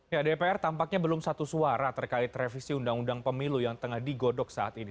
ya dpr tampaknya belum satu suara terkait revisi undang undang pemilu yang tengah digodok saat ini